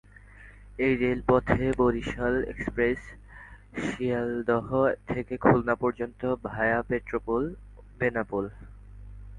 এই রেল পথে বরিশাল এক্সপ্রেস শিয়ালদহ থেকে খুলনা পর্যন্ত, ভায়া পেট্রাপোল-বেনাপোল।